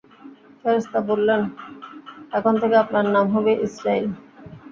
ফেরেশতা বললেন, এখন থেকে আপনার নাম হবে ইসরাঈল।